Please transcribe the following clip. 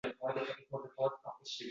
Odamlar, avaylang bir-biringizni